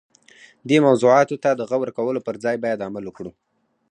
دې موضوعاتو ته د غور کولو پر ځای باید عمل وکړو.